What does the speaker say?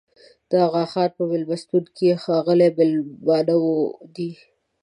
د اغاخان په مېلمستون کې ښاغلي مېلمانه دي.